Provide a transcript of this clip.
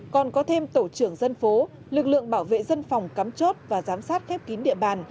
còn có thêm tổ trưởng dân phố lực lượng bảo vệ dân phòng cắm chốt và giám sát khép kín địa bàn